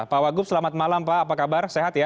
pak wagub selamat malam pak apa kabar sehat ya